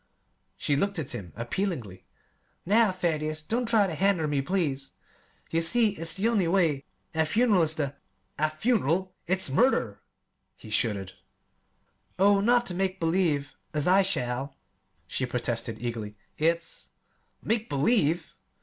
She looked at him appealingly. "Now, Thaddeus, don't try ter hender me, please. You see it's the only way. A fun'ral is the " "A 'fun'ral' it's murder!" he shuddered. "Oh, not ter make believe, as I shall," she protested eagerly. "It's " "Make believe!"